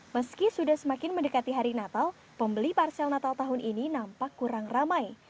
meski sudah semakin mendekati hari natal pembeli parsel natal tahun ini nampak kurang ramai